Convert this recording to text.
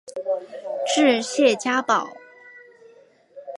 治谢家堡。